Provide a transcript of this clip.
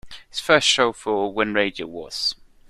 His first show for When Radio Was!